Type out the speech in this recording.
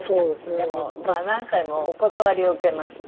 でも何回もお断りを受けまして。